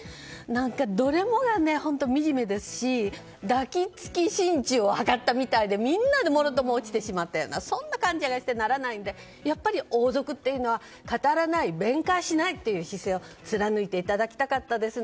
どれもがみじめですし抱き付き心中を図ったみたいでみんなもろとも落ちてしまった気がしてならないので語らない弁解しないという姿勢を貫いていただきたかったですね。